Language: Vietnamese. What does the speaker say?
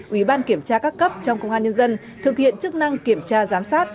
ủy ban kiểm tra các cấp trong công an nhân dân thực hiện chức năng kiểm tra giám sát